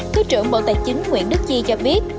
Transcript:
thứ trưởng bộ tài chính nguyễn đức chi cho biết